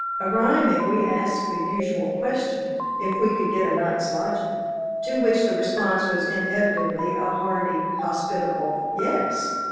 Arriving, we asked the usual question, if we could get a night's lodging, to which the response was inevitably a hearty, hospitable "Yes."